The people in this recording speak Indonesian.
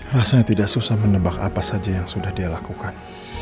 rasanya tidak susah menebak apa saja yang sudah dia lakukan